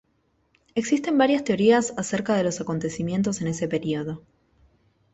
Existen varias teorías acerca de los acontecimientos en ese período.